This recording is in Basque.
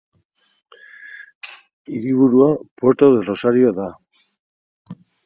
Hiriburua Puerto del Rosario da.